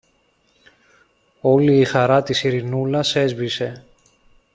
Όλη η χαρά της Ειρηνούλας έσβησε.